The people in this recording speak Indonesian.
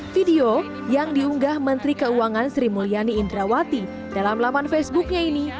video yang diunggah menteri keuangan sri mulyani indrawati dalam laman facebooknya ini